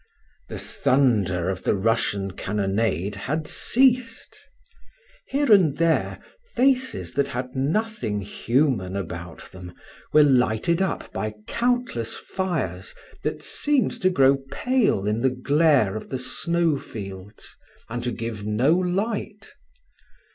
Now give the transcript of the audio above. The thunder of the Russian cannonade had ceased. Here and there faces that had nothing human about them were lighted up by countless fires that seemed to grow pale in the glare of the snowfields, and to give no light.